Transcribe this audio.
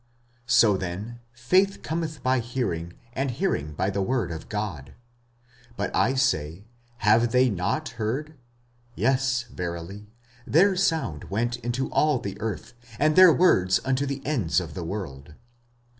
45:010:017 So then faith cometh by hearing, and hearing by the word of God. 45:010:018 But I say, Have they not heard? Yes verily, their sound went into all the earth, and their words unto the ends of the world.